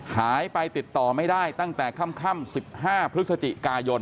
หายไปติดต่อไม่ได้ตั้งแต่ค่ำ๑๕พฤศจิกายน